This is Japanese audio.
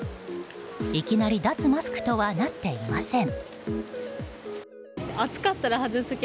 いきなり脱マスクとはなっていません。